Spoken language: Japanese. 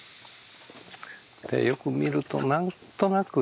よく見ると何となく。